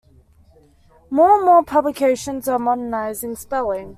More and more publications are modernizing spelling.